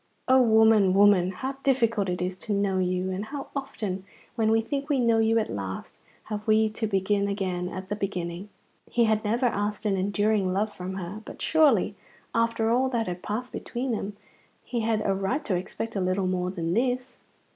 O woman, woman, how difficult it is to know you, and how often, when we think we know you at last, have we to begin again at the beginning! He had never asked an enduring love from her; but surely, after all that had passed between them, he had a right to expect a little more than this.